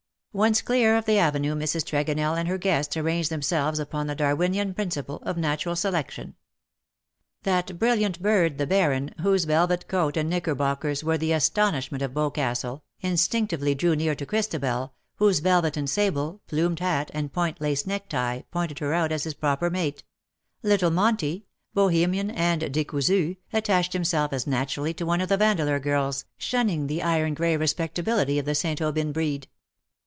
'^ Once clear of the avenue Mrs. Tregonell and her guests arranged themselves upon the Darwinian principle of natural selection. That brilliant bird the Baron, whose velvet coat and knickerbockers were the astonishment of Bos castle, instinctively drew near to Christabel, whose velvet and sable, plumed hat, and point lace necktie pointed her out as his proper mate — Little Monty, Bohemian and decousu, attached himself as naturally to one of the Yandeleur birds, shunning the iron grey respectability of the St. Aubyn breed.